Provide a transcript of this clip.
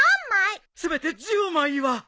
せめて１０枚は。